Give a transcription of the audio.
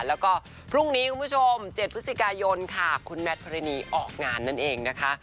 แล้วก็พรุ่งนี้คุณผู้ชม๗พฤศจิกายนค่ะคุณแมทพรณีออกงานนั่นเองนะคะ